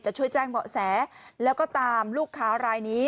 ช่วยแจ้งเบาะแสแล้วก็ตามลูกค้ารายนี้